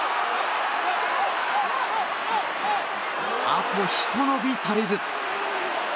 あとひと伸び足りず。